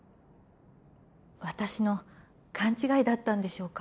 私の勘違いだったんでしょうか？